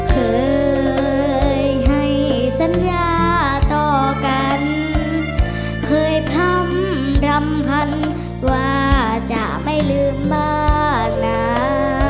เคยให้สัญญาต่อกันเคยพร้ำรำพันว่าจะไม่ลืมบ้างหลา